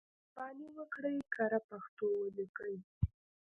مهرباني وکړئ کره پښتو ولیکئ.